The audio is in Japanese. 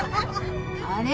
あれ？